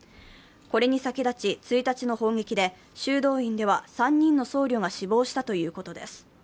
これに先立ち１日の砲撃で修道院では３人の僧侶が死亡したということです。